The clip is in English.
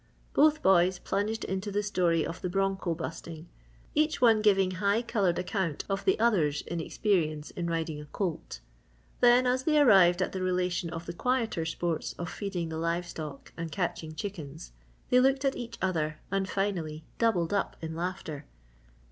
Both boys plunged into the story of the broncho busting each one giving high coloured account of the other's inexperience in riding a colt. Then as they arrived at the relation of the quieter sports of feeding the livestock and catching chickens, they looked at each other and finally doubled up in laughter.